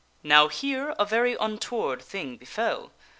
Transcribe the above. Now here a very untoward thing befell.